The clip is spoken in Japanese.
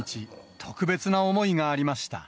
特別な思いがありました。